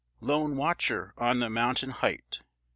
Lone watcher on the mountain height!